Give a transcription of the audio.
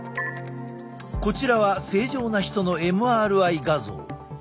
こちらは正常な人のＭＲＩ画像。